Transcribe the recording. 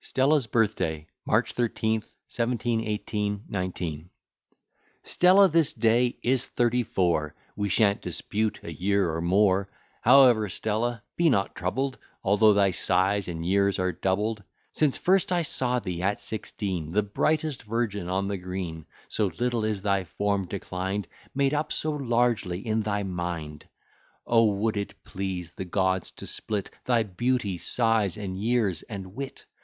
STELLA'S BIRTH DAY MARCH 13, 1718 19 Stella this day is thirty four, (We shan't dispute a year or more:) However, Stella, be not troubled, Although thy size and years are doubled Since first I saw thee at sixteen, The brightest virgin on the green; So little is thy form declined; Made up so largely in thy mind. O, would it please the gods to split Thy beauty, size, and years, and wit!